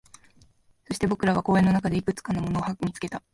そして、僕らは公園の中でいくつかのものを見つけた